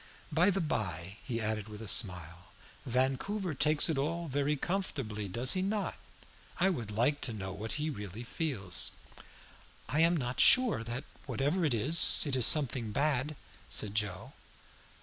"By the bye," he added with a smile, "Vancouver takes it all very comfortably, does he not? I would like to know what he really feels." "I am sure that whatever it is, it is something bad," said Joe.